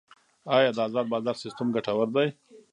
آیا د ازاد بازار سیستم ګټور دی؟